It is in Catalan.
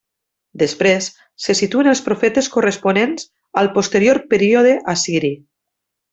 Després se situen els profetes corresponents al posterior període assiri: